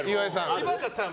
柴田さん